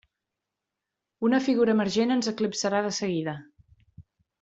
Una figura emergent ens eclipsarà de seguida.